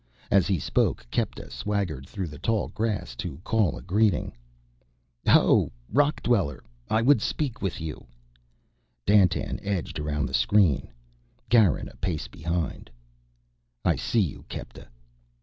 As he spoke Kepta swaggered through the tall grass to call a greeting: "Ho, rock dweller, I would speak with you " Dandtan edged around the screen, Garin a pace behind. "I see you, Kepta."